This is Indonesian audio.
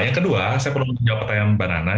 yang kedua saya belum menjawab pertanyaan b nana